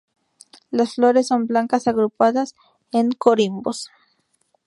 Las flores son blancas agrupadas en corimbos.